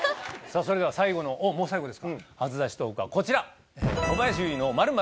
それでは最後のもう最後ですか初出しトークはこちら。